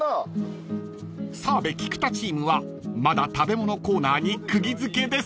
［澤部菊田チームはまだ食べ物コーナーに釘付けです］